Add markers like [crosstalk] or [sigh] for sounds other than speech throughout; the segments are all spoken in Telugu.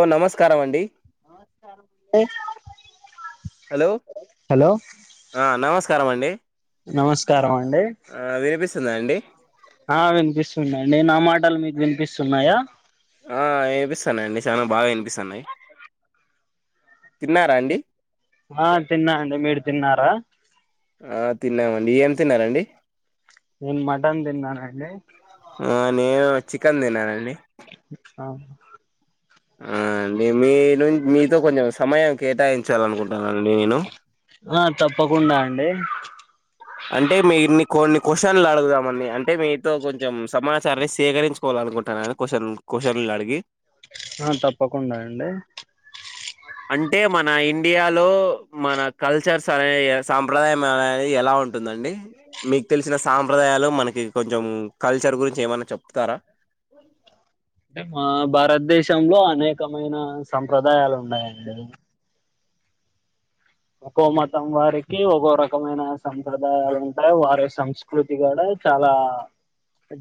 ఓ నమస్కార మండి హలో హలో ఆ నమస్కారమండి నమస్కారం అండి ఆ వినిపిస్తుందా అండి ఆ వినిపిస్తుందండి నా మాటలు మీకు వినిపిస్తున్నాయా ఆ వినిపిస్తున్నాయియండి చాలా బాగా వినిపిస్తున్నాయి తిన్నారా అండి ఆ తిన్నాండి మీరు తిన్నారా ఆ తిన్నామండి ఏం తిన్నారండి నేను మటన్ తిన్నానండి ఆ నేను చికెన్ తిన్నానండి ఆ ఆ మేమీ ను మీతో కొంచెం సమయం కేటాయించాల అనుకుంటున్నాండి నేను ఆ తప్పకుండా అండి అంటే మీన్ని కొన్ని క్వెస్షన్లు అడుగుదామని అంటే మీతో కొంచెం సమాచారాన్ని సేకరించ కోవాలనుకుంటా ఆన క్వశ్చన్ క్వశ్చన్లు అడిగి ఆ తప్పకుండా అండి అంటే మన ఇండియాలో మన కల్చర్స్ సరే ఇక సాంప్రదాయం అనేది ఎలా ఉంటుందండి మీకు తెలిసిన సాంప్రదాయాలు మనకి కొంచెం కల్చర్ గురించి ఏమన్నా చెప్తారా అంటే మా భారతదేశంలో అనేకమైన సంప్రదాయాలు ఉన్నాయండి ఒక్కో మతం వారికి ఒకో రకమైన సంప్రదాయాలు ఉంటాయి వారి సంస్క సంస్కృతి కూడా చాలా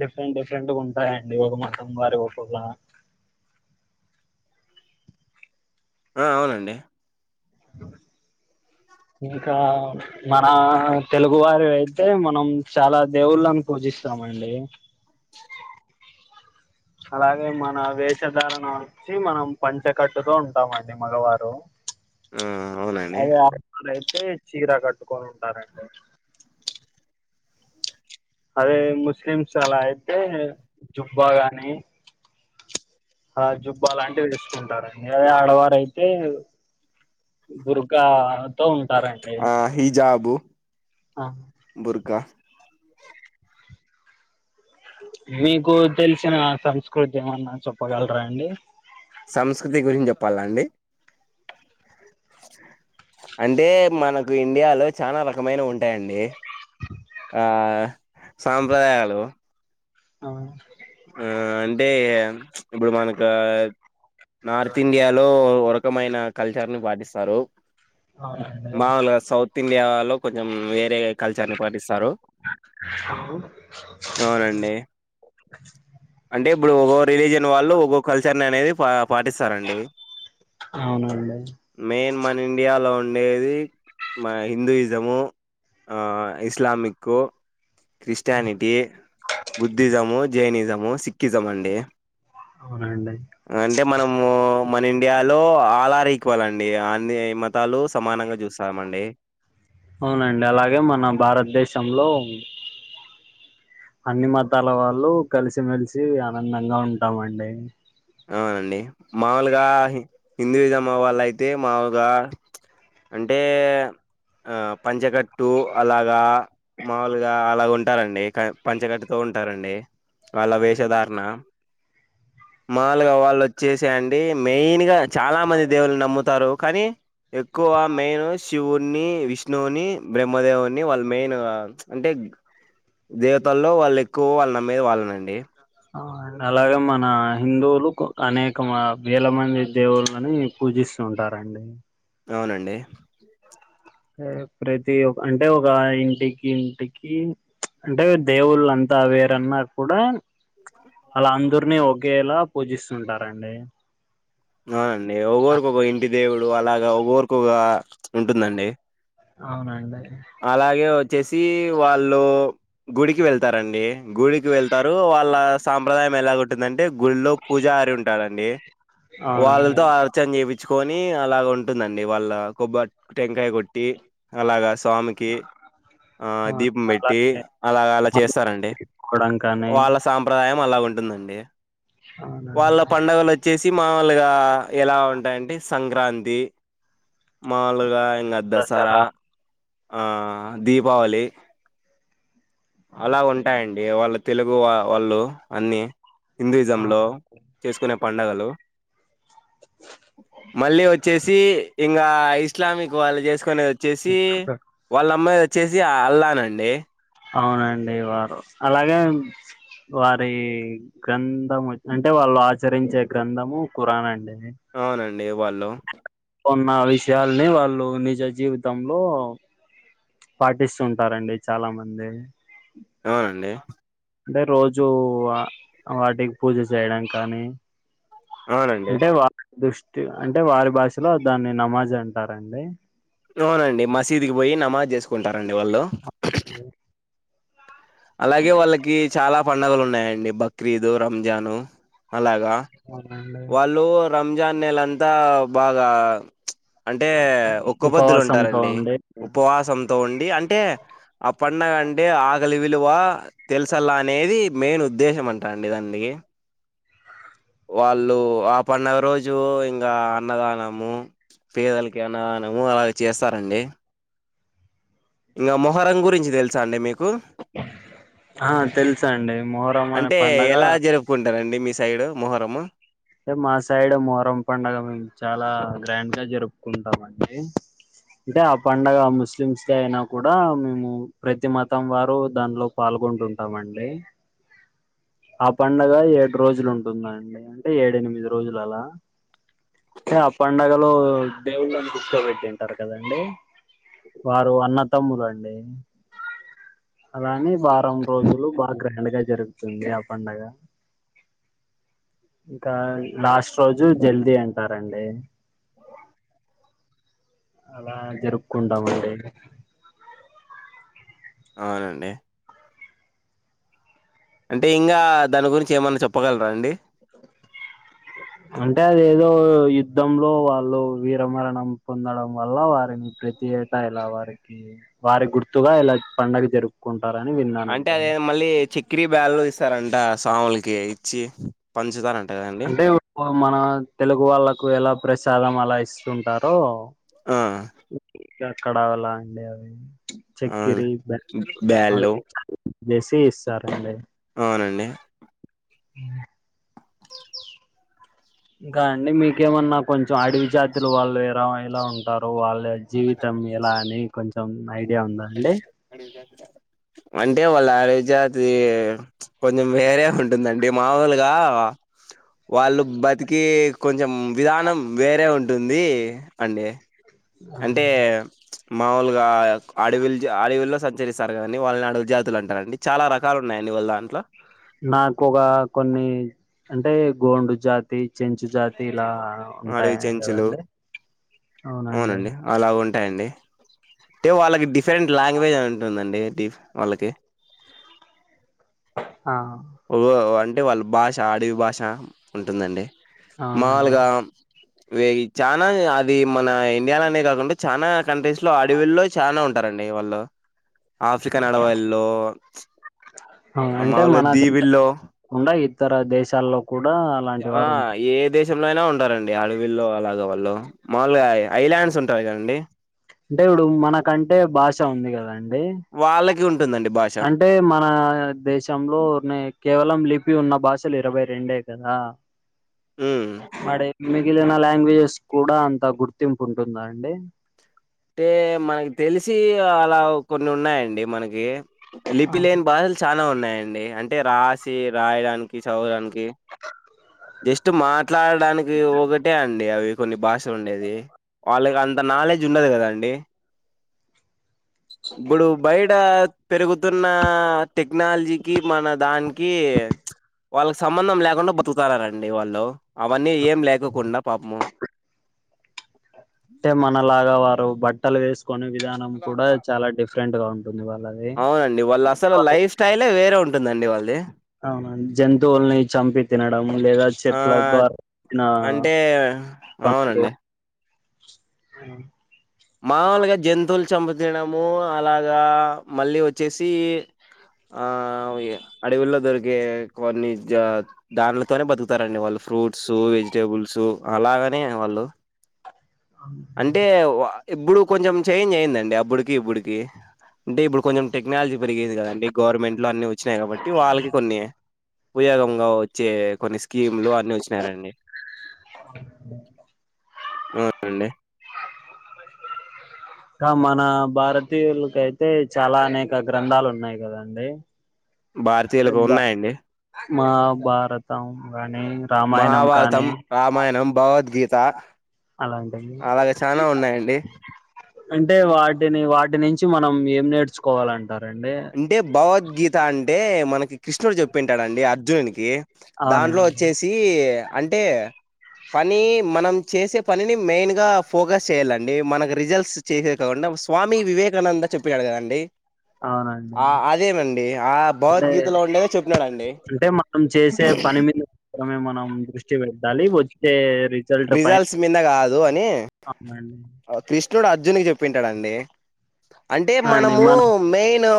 డిఫరెంట్ డిఫరెంట్గ ఉంటాయండి ఒక మతం వారి ఒకలా అ అవునండి [inaudible] ఇంకా మన తెలుగువారి అయితే మనం చాలా దేవుళ్ళని పూజిస్తామండి అలాగే మన వేషధారణ వచ్చి మనం పంచకట్టుతో ఉంటామ అండి మగవారు ఆ అవునండి అదే ఆడ వారయితే చీర కట్టుకొని ఉంటారండి అదే ముస్లిమ్స్ అలా అయితే జుబ్బా గాని ఆ జుబ్బా లాంటివి వేసుకుంటారండి అదే ఆడవారయితే బురకా తో ఉంటారండి ఆ బుర్గా మీకు తెలిసిన సంస్కృతి ఏమన్నా చెప్పగలరా అండి సంస్కృతి గురించి చెప్పాల అండి అంటే మనకు ఇండియాలో చాలా రకమైన ఉంటాయండి ఆ సాంప్రదాయాలు అ ఆ అంటే ఇప్పుడు మనకు నార్త్ ఇండియాలొ వరకు మైన కల్చర్ ని పాటిస్తారు అవునండి మామూలుగా సౌత్ ఇండియాలో కొంచెం వేరే కల్చర్ ని పాటిస్తారు [inaudible] అహ్ వు అవునండి అంటే ఇప్పుడు ఒక్కో రిలీజియన్ వాళ్ళు ఒక్కో కల్చర్ ననేది పా పాటిస్తారండి అవునాండి మెయిన్ మన ఇండియాలో ఉండేది మ హిందూయిజము ఆ ఇస్లామిక్కు క్రిస్టానిటీ బుద్ధిజము జైనిజము సిక్కిజం అండి అవునండి అ అంటే మనమూ మన్ ఇండియాలో ఆలార్ ఈక్వల్ అండి అన్ని మతాలు సమానంగా జూస్తాం అండి అవునండ్ అలాగే మన భారతదేశంలో ఉ అన్ని మతాల వాళ్ళు కలిసిమెలిసి ఆనందంగా ఉంటామండి అవునండి మావూలుగా హిందుయిజం వాళ్ళయితే మావులుగా అంటే ఆ పంచకట్టు అలాగా మావూలుగా అలా ఉంటారండి క పంచగట్తో ఉంటారండి వాళ్ళ వేషధారణ మావులుగా వాళ్ళోచ్చేసేయండి మెయిన్ గా చాలా మంది దేవుళ్ళు నమ్ముతారు కానీ ఎక్కువ మెయిను శివు న్నీ విష్ణువుని బ్రహ్మదేవున్ని వాళ్ మెయిన్ అ అంటే దేవతల్లో వాళ్ళేక్కువ్ వాళ్ళ నమ్మేది వాళ్ళనండి ఆ య్ అలాగ మనా హిందువులు కొ అనేక మ వేల మంది దేవుళ్ళని పూజిస్తుంటార అండి అవునండి ఏ ప్రతి ఒ అంటే ఒక ఇంటికి ఇంటికి అంటే దేవుళ్ళంతా వేరన్నా కూడా అలా అందురిని ఒకేలా పూజిస్తుంటారండి అవునండి ఒగోరికొక ఇంటి దేవుడు అలాగా ఒగోర్ కొకా ఉంటుందండి అవునండి అలాగే ఒచ్చేసి వాళ్ళు గుడికి వెళ్తారండి గుడికి వెళ్తారు వాళ్ళ సాంప్రదాయం ఎలాగుట్ టుందంటే గుళ్ళో పూజార్ ఉంటాడండి అవునండి వాళ్ళల్తో ఆడ్ చ్చం చేపిచుకొని అలాగ్ ఉంటుందండి వాళ్ళ కొబ్బట్ టెంకాయ కొట్టి అలాగాస్ వామి కి ఆ అవును. దీపం పెట్టి అలాగే అలా గలా చేస్తారండి ఆడుకోవడం కానీ వాళ సాంప్రదాయం అలా ఉంటుందండి వాళ్ళ అవునండి పండగలొచ్చేసి మావూలుగా ఎలా ఉంటాయంటే ఇ సంక్రాంతి మావులుగా ఇంగ దసరా ఆ దీపావళి అలా ఉంటాయండి వాళ్ళ తెలుగు వా వాళ్ళు అన్ని హిందుయిజంలో అవునండి చేసుకునే పండగలు మళ్ళీ ఒచ్చేసి ఇంగా ఇస్లామిక్ వాళ్ళు చేసుకునేదో చ్చేసి వాళ్ళమ్మాయ్ ఒచ్చేసి అ అల్లానండి అవునండి వారు అలాగేం వారీ గ్రంథము అంటే వాళ్ ఆచరించే గ్రంథము ఖురాన్ అండి అవునండి వాళ్ళు ఓన్న విషయాల్ని వాళ్ళు నిజ జీవితంలో పాటిస్తు ఉంటారండి చాలా మంది అ అండి అంటే రోజూ ఆ వాటికి పూజ చేయడం కానీ అవునండి అంటే వా దృష్టి అంటే వారి భాషలో దాన్ని నమాజ్ అంటారండి అవునండి మసీద్ కి పోయి నమాజ్ చేసుకుంటారండివాళ్ళు [inaudible] అలాగే వాళ్ళకి చాలా పండగలు ఉన్నాయండి బక్రీదు రంజాను అలాగా అవునండి వాళ్ళు రంజాన్ నేలంతా బాగా అంటే ఒక్కపొద్దులు ఉపవాసంతో ఉంటారండి ఉండి ఉపవాసం తొ ఉండి అంటే ఆ పండగ అంటే ఆకలి విలువ తెలుసల్లా అనేది మెయిన్ ఉద్దేశం అంటా అండి దాన్ది వాళ్ళు ఆ పండగ రోజు ఇంగ అన్నదానము పేదలకి అన్నదానము అలాగ చేస్తారండి ఇంగా మొహరం గురించి తెలుసా అండి మీకు ఆ తెల్సండి మొహరం అనే పండగ కుంటారండి మీ సైడు మొహరము అంటే మా సైడ్ మొహరం పన్డగ మేము చాలా గ్రాండ్ గా జరుపుకుంటామండి అంటే ఆ పండగ ముస్లిమ్స్ కైయినా కూడా మేము ప్రతి మతం వారు దాన్లో పాల్గొంటుంటామండి ఆ పండగ ఏడు రోజులు ఉంటుందండి అంటే ఏడెనిమిది రోజులు అలా ఆ పన్డగలో దేవుళ్ళని కూర్చో పెట్టింటారు కదండి వారు అన్నతమ్ములండి అలాని వారం రోజులు బాగా గ్రాండ్ గా జరుగుతుంది ఆ పండగ ఇంకా లాస్ట్ రోజు జల్దీ అంటారండి అలా జరుపుకుంటామండి అవునండి అంటే ఇంగా దాని గురించి ఏమన్నా చెప్పగలరా అండి అంటే అదెఏదో యుద్ధంలో వాళ్ళు వీరమరణం పొందడం వల్ల వారిని ప్రతి ఏట ఇలా వారికి వారి గుర్తుగా ఇలా పండగ జరుప్ కుంటారని విన్ అంటే అదేదో మళ్ళీ చి క్రీ బ్యాళో ఇస్తారంట స్వాములకి ఇచ్చి పంచుతారంట కదండి అంటే మన తెలుగు వాళ్ళకు ఎలా ప్రసాదం అలా ఇస్తుంటారో ఆ.. గక్కడ వలాండి అవి అవును చక్కిరి బె [inaudible] అవి బ్యాళ్ళు వేసి ఇస్తారండి అవునండి అ ఇంకా అండి మీకేమన్నా కొంచెం అడవి జాతుల వాళ్ళు ఎర ఎల ఉంటారు వాళ్ళు జీవితం ఎలా అని కొంచెం ఐడియా ఉంద అండి అంటే వాళ్ళ అడివి జాతి కొంచెం వేరే ఉంటుందండి మామూలుగా వాళ్ళు బతికి కొంచెం విధానం వేరే ఉంటుంది అండి అంటే మాముూలుగా అడవిలు అడవిలో సంచరిస్తారు కదన్డి వాళ్ళని అడవి జాతులు అంటారండి చాలా రకాలు ఉన్నాయండి వాళ్ళ దాంట్లో నాకు ఒక కొన్ని అంటే గోండు జా తి, చెంచు జాతి ఇలా ఉంటాయి అడవి చెంచులు కదండి అవునండి అలా ఉంటాయండి టే వాళ్ళకి డిఫరెంట్ లాంగ్వేజ్ ఉంటుందండి డిఫ్ వాళ్ళకి ఆ ఒ అంటే వాళ్ళ భాష అడవి భాష ఉంటుందండి అవునండి మాముల్గా వి చానా అది మన ఇండియాలోనే కాకుండా చానా కంట్రీస్ లో అడవిల్లో చానా ఉంటారండి వాళ్ళు ఆఫ్రికన్ అడవల్లో ఫ్చ్ ఆ అంటే మన ఇంగ ఇతర దేశాల్లో కూడా అలాంటి ఆ వారు ఉ ఏ దేశ్ శంలో అయినా ఉంటారండి అడవిల్లో అలాగ వాళ్ళు మావుల్గా ఐలాండ్స్ ఉంటాయి కదండి అంటే ఇప్పుడు మనకంటే భాష ఉంది కదన్డి వాళ్ళకి ఉంటుందండి భాష్ అంటే మన దేశ్ శంలోనే కేవలం లిపి ఉన్న భాషలు ఇరవై రెండే కదా? ఉమ్ మరి మిగిలిన లాంగ్వేజెస్ కూడా అంత గుర్తింపు ఉంటుందా అండి? అంటే మనకి తెలిసి అలా కొన్ని ఉన్నాయండి మనకి లిపి ఆ! లేని బాషల్ చానా ఉన్నాయండి అంటే రాసి రాయడానికి చదవానికి జస్ట్ మాట్లాడడానికి ఒకటే అండి అవి కొన్ని భాష ఉండేది వాళ్ళకి అంత నాలెడ్జ్ ఉండదు కదన్డి ఇబ్బుడు బయట పెరుగుతున్న టెక్నాల్జీకి మన దాన్కి ప్చ్ వాళ్ళకి సంబంధం లేకుండా బతుకుతానరండి వాళ్ళు అవన్నీ ఏం లేకోకుండా పాప్ము అంటే మనలాగా వారు బట్టలు వేసుకునే విధానం కూడా చాలా డిఫ్ ఫ్రెంట్ గా ఉంటుంది వాళ్ళది అవునండి వాళ్ళ అసలు లైఫ్ స్టైలే వేరే ఉంటుందండి వాల్ది అవునండి జంతువుల్ని చంపి తినడము లేదా ఆ చెట్ల ద్వారా అయినా అంటే అవునండి అవును మావుల్గా జంతువులు చంపి తినడము అలాగా మళ్ళీ వచ్చేసి ఆ ఇగ అడవిల్లో దొరికే కొన్ని జా దాంట్ల తోనే బతుకుతారండి వాళ్ళు ఫ్రూట్సు, వెజిటేబుల్సు అలాగనే వాళ్ళు అవును అంటే వా ఇబ్బుడు కొంచెం చేంజ్ అయిందండి అబ్బుడుకి ఇబ్బుడుకి అంటే ఇబ్బుడు కొంచెం టెక్నాలజీ పెరిగింది కదండి గవర్నమెంట్లు అన్ని వచ్ వచ్చినాయి కాబట్టి వాళ్ళకి కొన్ని ఉపయోగంగా వచ్చే కొన్ని స్కీం లు అ అన్ని వచ్నారండి అవునండి ఇంకా మన భారతీయుల్ కైతే అయితే చాలానే అనేక గ్రంథాలు ఉన్నాయి కదండి? భారతీయులకు ఉన్నాయండి మాభారతం గానీ మహాభారతం, రామాయణం, భగవద్గీత అలాంటివి అలాగ చానా ఉన్నాయండి అంటే వాటిని వాటి నుంచి మనం ఏం నేర్చుకోవాలంటారండి? అంటే భగవద్గీత అంటే మనకి కృష్ణుడు చెప్పింటాడుండి అర్జుణునికి దాంట్లో అవునండి వచ్చేసి ఈ అంటే పని మనం చేసే పనిని మెయిన్గా ఫోకస్ చేయాలండి మనకి రిజల్ట్స్ చేసేది కాకుండా స్వామి వివేకానంద చెప్పే కదండడి ఆండీ ఆ అంటే భగవద్గీతలో ఉండేదే చెప్పినాడండి అంటే మా నం చేసే పని మీద మాత్రమే మనం దృష్టి పెట్టాలి వాతే రిజల్ట్స్ మీద కాదు అని అవునండి కృష్ణుడు అర్జున్కి చెప్పింటాడుండి అంటే అండి మనము మన మెయిన్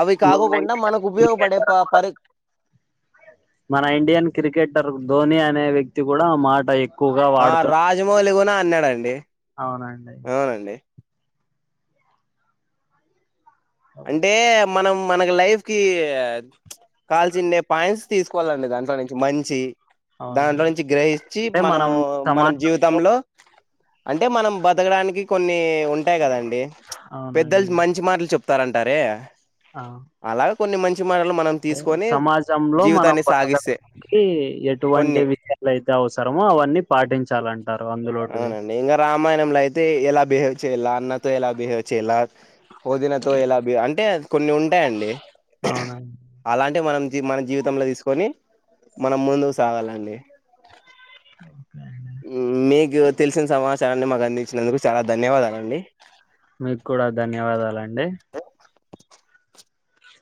అవి మన కాకోకుండా ఇండియన్ మనకు ఉపయోగపడే క్రికెటర్ కూడా పరి మన ఇండియన్ క్రికెటర్ ధోని అనే వ్యక్తి కూడా మాట ఎ ఆ రాజమౌళి కూడా అన్నాడండి అవునండి అవునండి అంటే మనం మనకి లైఫ్ కి కాల్చినే పాయింట్స్ తీస్కోవాలండి దాంట్లో నుంచి మంచి దాంట్లో అవునండి నుంచి గ్రహించి అంటే మనం మనము మనం జీవిత్ సమాజంలో లో అంటే మనం బతకడానికి కొన్ని ఉ ఉంటై కదండి అవునండి పెద్దలు మంచి మాటలు చెప్తారంటారే అవు అలాగ్ కొన్ని మంచి మనల్ని మనం తీసుకొని సమాజంలో మనం జీవితాన్ని సాగిస్తే బతకడడానికి ఎటువంటి కొన్ని విష అయితే అవసరమో అవన్నీ పాటించాలంటారు అందులోటువి అవునండి ఇంకా రామాయణంలో అయితే ఎలా బిహేవ్ చేయాల అన్నతో ఎలా బిహేవ్ చేయాల వదినతో ఎలా అంటే కొన్ని ఉంటాయండి అవును అలాంటివి మనం మన జీవితంలో తీసుకొని మనం ముందు తగాలండి మీ తెలిసిన సమాచారాన్ని మాకు అందించినందుకు చాలా ధన్యవాదాలండి మీకు కూడా ధన్యవాదాలండి